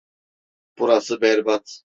Burası berbat.